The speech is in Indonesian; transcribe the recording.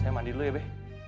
saya mandi dulu ya pak